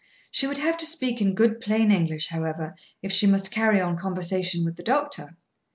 She would have to speak in good plain English, however, if she must carry on conversation with the doctor.